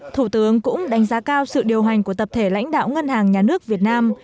thủ tướng cũng đánh giá cao sự điều hành của tập thể lãnh đạo ngân hàng nhà nước việt nam